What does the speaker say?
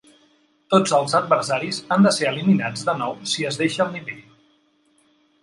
Tots els adversaris han de ser eliminats de nou si es deixa el nivell.